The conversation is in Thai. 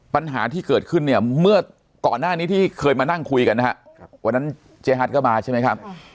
ปัญหาที่เกิดขึ้นเนี่ยเมื่อก่อนหน้านี้ที่เคยมานั่งคุยกันนะฮะวันนั้นเจ๊ฮัทก็มาใช่ไหมครับ